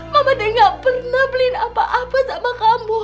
mama deh gak pernah beliin apa apa sama kamu